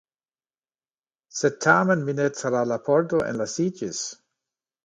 Sed tamen mi ne tra la pordo enlasiĝis.